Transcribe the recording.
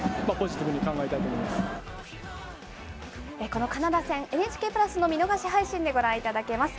このカナダ戦、ＮＨＫプラスの見逃し配信でご覧いただけます。